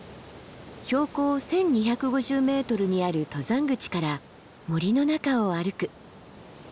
標高１，２５０ｍにある登山口から森の中を歩く。